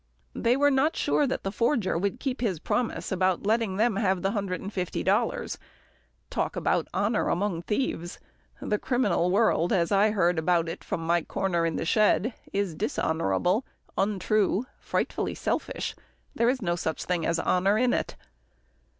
They were not sure that the forger would keep his promise about letting them have the hundred and fifty dollars. Talk about honour among thieves the criminal world, as I heard about it from my corner in the shed, is dishonourable, untrue, frightfully selfish there is no such thing as honour in it.